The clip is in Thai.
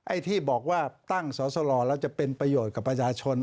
ไอ้ที่บอกว่าตั้งสอสลแล้วจะเป็นประโยชน์กับประชาชน